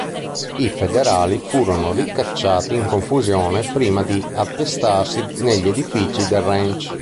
I Federali furono ricacciati in confusione prima di attestarsi negli edifici del ranch.